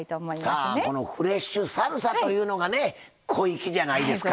さあこのフレッシュサルサというのがね小粋じゃないですか。